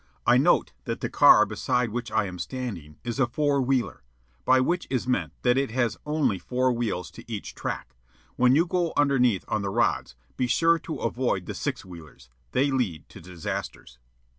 I note that the car beside which I am standing is a "four wheeler" by which is meant that it has only four wheels to each truck. (When you go underneath on the rods, be sure to avoid the "six wheelers," they lead to disasters.)